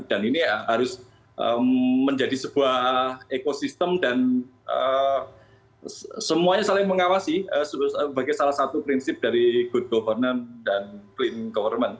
dan ini harus menjadi sebuah ekosistem dan semuanya saling mengawasi sebagai salah satu prinsip dari good governance dan clean government